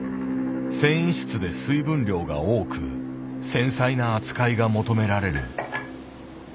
繊維質で水分量が多く繊細な扱いが求められる。